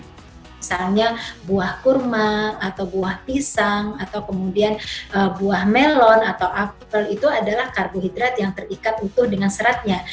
misalnya buah kurma atau buah pisang atau kemudian buah melon atau apel itu adalah karbohidrat yang terikat utuh dengan seratnya